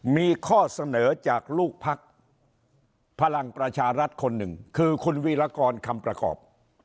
มีข้อเสนอจากลูกพักพลังประชารัฐคนหนึ่งคือคุณวีรกรคำประกอบ